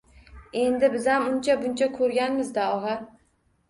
Endi bizam uncha-buncha ko‘rganmiz-da, og‘a!